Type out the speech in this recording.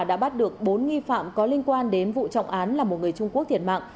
đã bắt được bốn nghi phạm có liên quan đến vụ trọng án là một người trung quốc thiệt mạng